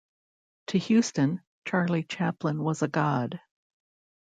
To Huston, Charlie Chaplin was a god.